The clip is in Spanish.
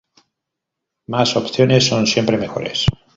Más opciones son siempre mejores".